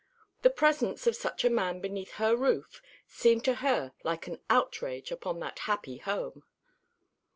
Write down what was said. The presence of such a man beneath her roof seemed to her like an outrage upon that happy home.